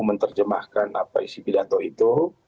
menerjemahkan apa isi pidato itu